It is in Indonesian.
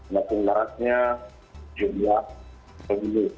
maksudnya jumlah pebuluh